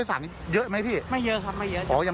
อ๋อยังไม่เยอะนะ